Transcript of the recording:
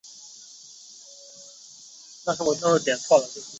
稻富流炮术创始者。